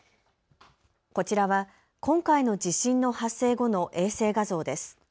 こちらは今回の地震の発生後の衛星画像です。